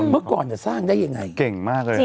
เมื่อก่อนเนี่ยสร้างได้ยังไง